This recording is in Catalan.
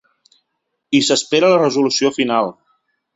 I s’espera la resolució final.